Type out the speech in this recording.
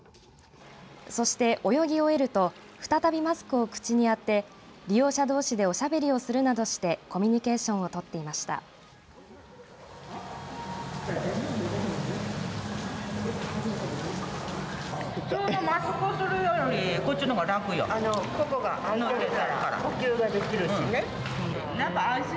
そして、泳ぎ終えると再びマスクを口にあて利用者どうしでおしゃべりをするなどしてコミュニケーションをとっていました。